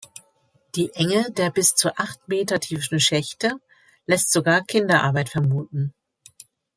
Die Enge der bis zu acht Meter tiefen Schächte lässt sogar Kinderarbeit vermuten.